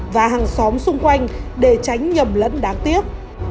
và hàng xóm xung quanh để tránh nhầm lẫn đáng tiếc